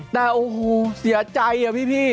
แต่โอ้โหเสียใจอะพี่